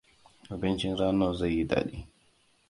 Abincin ranar zai yi daɗi.